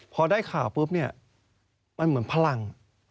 พอได้ข่าวปุ๊บเนี่ยมันเหมือนพลัง